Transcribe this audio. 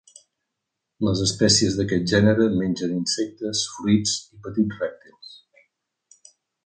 Les espècies d'aquest gènere mengen insectes, fruits i petits rèptils.